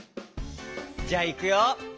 じゃあいくよ。